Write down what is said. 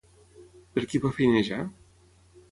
Per qui va feinejar?